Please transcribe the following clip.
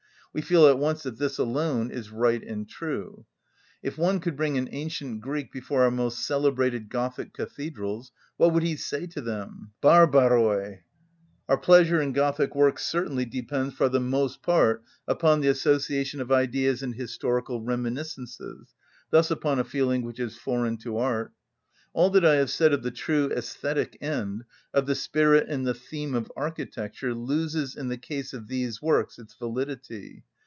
We feel at once that this alone is right and true. If one could bring an ancient Greek before our most celebrated Gothic cathedrals, what would he say to them?—Βαρβαροι! Our pleasure in Gothic works certainly depends for the most part upon the association of ideas and historical reminiscences, thus upon a feeling which is foreign to art. All that I have said of the true æsthetic end, of the spirit and the theme of architecture, loses in the case of these works its validity.